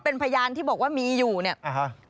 เป็นพยานที่บอกว่ามีอยู่เนี่ยอ่าฮะ